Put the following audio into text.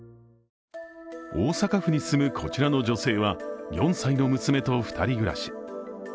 大阪府に住むこちらの女性は、４歳の娘と２人暮らし。